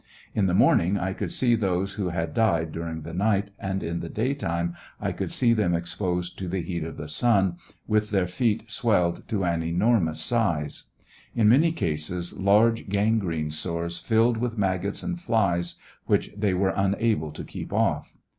In the morning 1 could see those who had died during the night, and in the daytime I could see them exposed to the heat of the sun, with their feet swelled to an enormous size ; in many cases large gangrene sores filled with maggots and flies which they were unable to keep off.